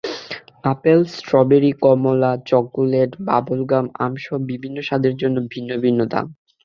Apple, strawberry, chocolate, কমলা, bubblegum, আমসহ বিভিন্ন স্বাদের জন্য ভিন্ন ভিন্ন দাম।